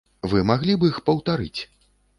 Вы маглі б іх паўтарыць?